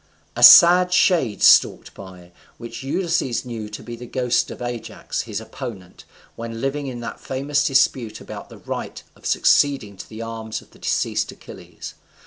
A sad shade stalked by, which Ulysses knew to be the ghost of Ajax, his opponent, when living, in that famous dispute about the right of succeeding to the arms of the deceased Achilles.